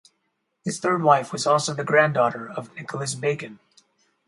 His third wife also was the granddaughter of Nicholas Bacon.